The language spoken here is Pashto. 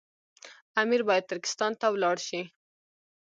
امیر باید ترکستان ته ولاړ شي.